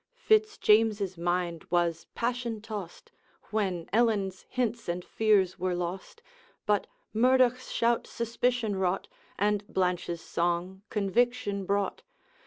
Fitz James's mind was passion tossed, When Ellen's hints and fears were lost; But Murdoch's shout suspicion wrought, And Blanche's song conviction brought.